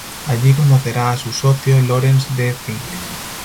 Allí conocerá a su socio, Laurence D. Fink.